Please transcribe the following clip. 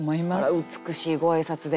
あら美しいご挨拶で。